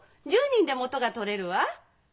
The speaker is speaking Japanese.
１０人で元が取れるわ。